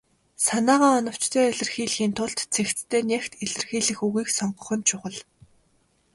Санаагаа оновчтой илэрхийлэхийн тулд цэгцтэй, нягт илэрхийлэх үгийг сонгох нь чухал.